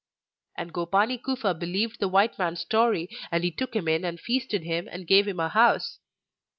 And Gopani Kufa believed the white man's story, and he took him in and feasted him, and gave him a house.